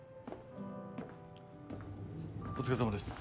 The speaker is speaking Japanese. お疲れさまです。